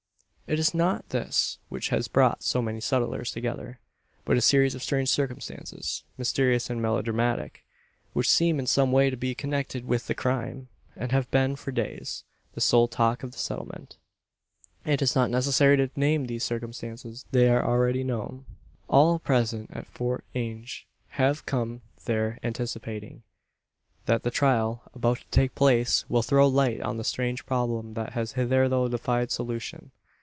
It is not this which has brought so many settlers together; but a series of strange circumstances, mysterious and melodramatic; which seem in some way to be connected with the crime, and have been for days the sole talk of the Settlement. It is not necessary to name these circumstances: they are already known. All present at Fort Inge have come there anticipating: that the trial about to take place will throw light on the strange problem that has hitherto defied solution.